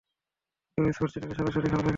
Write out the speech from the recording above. Eurosports চ্যানেলে সরাসরি খেলা দেখাচ্ছে।